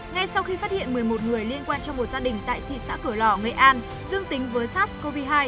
ngay sau khi phát hiện một mươi một người liên quan trong một gia đình tại thị xã cửa lò nghệ an dương tính với sars cov hai